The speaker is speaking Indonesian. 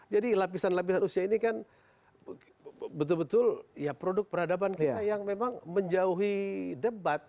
jadi lapisan lapisan usia ini kan betul betul ya produk peradaban kita yang memang menjauhi debat